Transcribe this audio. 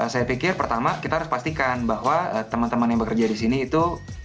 saya pikir pertama kita harus pastikan bahwa teman teman yang bekerja di sini itu bukan bagian dari tiga orang